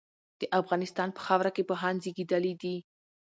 د افغانستان په خاوره کي پوهان زېږيدلي دي.